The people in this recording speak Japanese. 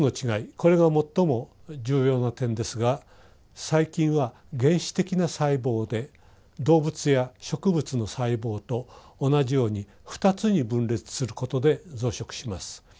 これが最も重要な点ですが細菌は原始的な細胞で動物や植物の細胞と同じように二つに分裂することで増殖します。